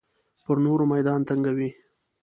پر نورو میدان تنګوي.